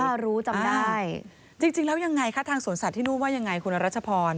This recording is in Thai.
ถ้ารู้จำได้จริงแล้วยังไงคะทางสวนสัตว์ที่นู่นว่ายังไงคุณรัชพร